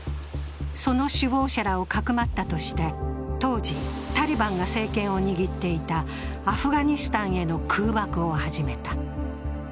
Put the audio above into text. その首謀者らをかくまったとして当時、タリバンが政権を握っていたアフガニスタンへの空爆を始めた。